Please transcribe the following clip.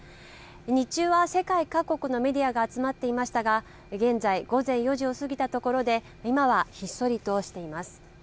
日中は世界各国のメディアが集まっていましたが現在、午前４時を過ぎたところで今は、ひっそりとしています。